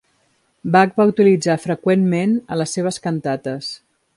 Bach va utilitzar freqüentment a les seves cantates.